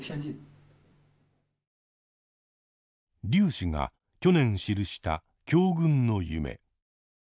劉氏が去年記した「強軍の夢」。